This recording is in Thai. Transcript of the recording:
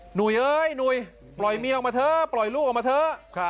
หุยเอ้ยหนุ่ยปล่อยเมียออกมาเถอะปล่อยลูกออกมาเถอะ